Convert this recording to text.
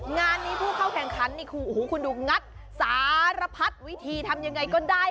งานนี้ผู้เข้าแข่งคันคุณดูงัดสารพัดวิธีทำยังไงก็ได้